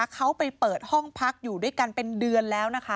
เขาไปเปิดห้องพักอยู่ด้วยกันเป็นเดือนแล้วนะคะ